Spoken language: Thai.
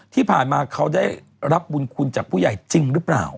ที่ผ่านมาเขาได้รับบุญคุณจากผู้ใหญ่จริงหรือเปล่า